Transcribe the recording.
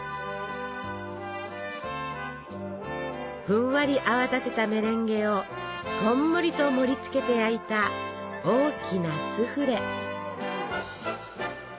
ふんわり泡立てたメレンゲをこんもりと盛りつけて焼いた大きなスフレ！